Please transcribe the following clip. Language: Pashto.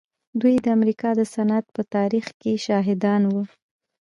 دوی د امريکا د صنعت په تاريخ کې شاهدان وو.